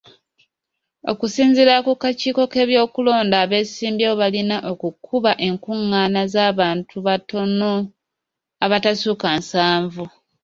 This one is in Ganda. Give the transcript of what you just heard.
Okusinziira ku kakiiko k'ebyokulonda, abeesimbyewo balina okukuba enkung'aana z'abantu batontono abatasukka nsanvu.